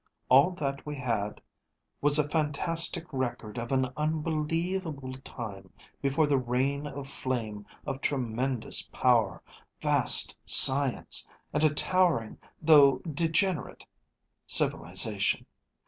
All that we had was a fantastic record of an unbelievable time before the rain of flame of tremendous power, vast science, and a towering, though degenerate, civilization.